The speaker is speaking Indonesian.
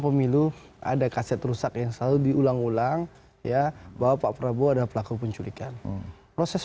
pemilu ada kaset rusak yang selalu diulang ulang ya bahwa pak prabowo adalah pelaku penculikan proses